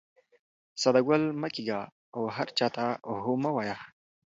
ساده ګل مه کېږه او هر چا ته هو مه وایه.